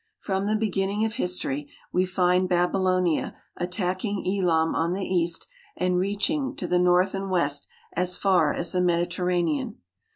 From the beginning of history we find Baby lonia attacking Elam on the east and reaching, to the north and west, as far as the INIediterranean.